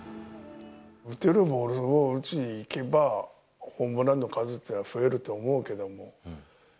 打てるボールを打ちにいけば、ホームランの数というのは増えると思うけども。